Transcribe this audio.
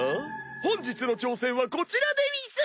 本日の挑戦はこちらでうぃす！